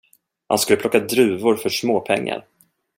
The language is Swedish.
Han skulle plocka druvor för småpengar.